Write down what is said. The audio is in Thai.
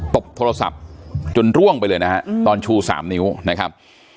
ตบโทรศัพท์จนร่วงไปเลยนะครับ